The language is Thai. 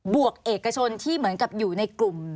วกเอกชนที่เหมือนกับอยู่ในกลุ่ม